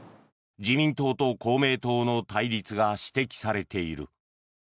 自民党と公明党の対立が指摘されている。